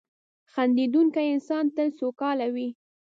• خندېدونکی انسان تل سوکاله وي.